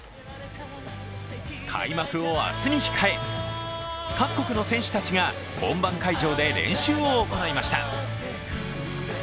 開幕を明日に控え、各国の選手たちが本番会場で練習を行いました。